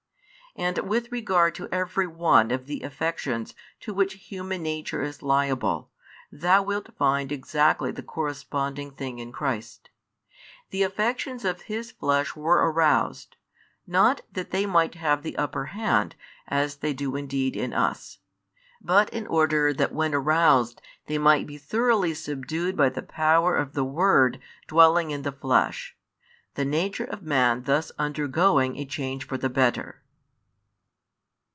And with regard to every one of the affections to which human nature is liable, thou wilt find exactly the corresponding thing in Christ. The affections of His Flesh were aroused, not that they might have the upper hand as they do indeed in us, but in order that when aroused they might be thoroughly subdued by the power of the Word dwelling in the flesh, the nature of man thus undergoing a change for the better.